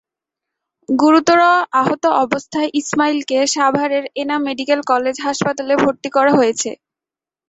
গুরুতর আহত অবস্থায় ইসমাইলকে সাভারের এনাম মেডিকেল কলেজ হাসপাতালে ভর্তি করা হয়েছে।